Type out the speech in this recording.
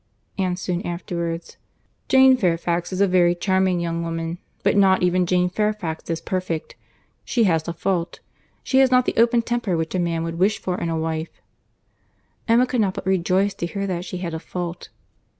And soon afterwards, "Jane Fairfax is a very charming young woman—but not even Jane Fairfax is perfect. She has a fault. She has not the open temper which a man would wish for in a wife." Emma could not but rejoice to hear that she had a fault.